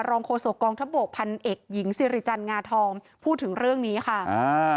โคศกองทัพบกพันเอกหญิงสิริจันทร์งาทองพูดถึงเรื่องนี้ค่ะอ่า